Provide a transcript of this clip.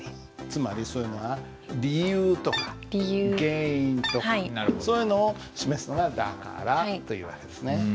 つまりそういうのは理由とか原因とかそういうのを示すのが「だから」という訳ですね。